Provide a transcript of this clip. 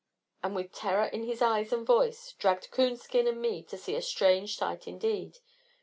And with terror in his eyes and voice, dragged Coonskin and me to see a strange sight indeed.